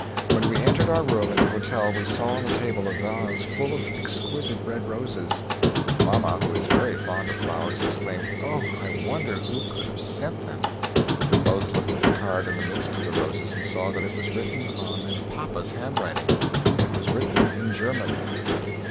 When we entered our rooms in the hotel we saw on the table a vase full of exquisett red roses. Mamma who is very fond of flowers exclaimed "Oh I wonder who could have sent them." We both looked at the card in the midst of the roses and saw that it was written on in papa's handwriting, it was written in German.